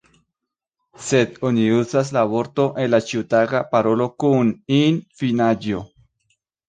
Sed oni uzas la vortoj en la ĉiutaga parolo kun -in-finaĵo.